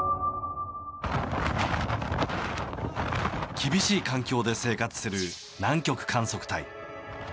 厳しい環境で生活する南極観測隊。